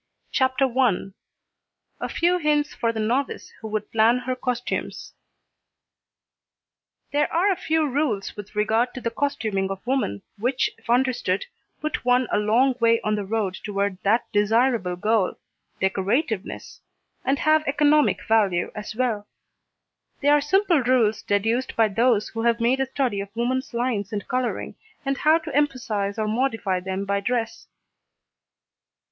CHAPTER I A FEW HINTS FOR THE NOVICE WHO WOULD PLAN HER COSTUMES There are a few rules with regard to the costuming of woman which if understood put one a long way on the road toward that desirable goal decorativeness, and have economic value as well. They are simple rules deduced by those who have made a study of woman's lines and colouring, and how to emphasise or modify them by dress.